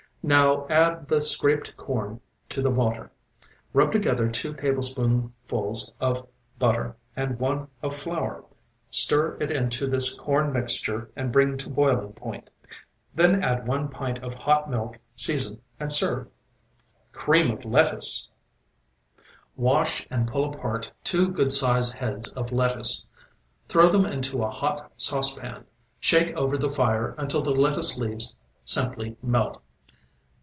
Now, add the scraped corn to the water. Rub together two tablespoonfuls of butter and one of flour. Stir it into this corn mixture and bring to boiling point, then add one pint of hot milk; season and serve. CREAM OF LETTUCE Wash and pull apart two good sized heads of lettuce. Throw them into a hot saucepan, shake over the fire until the lettuce leaves simply melt.